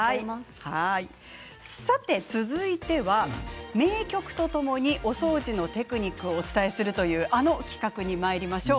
続いては名曲とともにお掃除のテクニックをお伝えするというあの企画にまいりましょう。